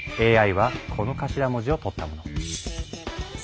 ＡＩはこの頭文字をとったもの。